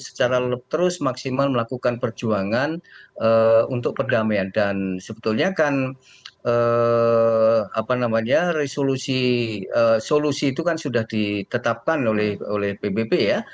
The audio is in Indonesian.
secara terus maksimal melakukan perjuangan untuk perdamaian dan sebetulnya kan resolusi itu kan sudah ditetapkan oleh pbb ya